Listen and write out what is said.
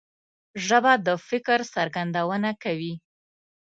ژبه د فکر څرګندونه کوي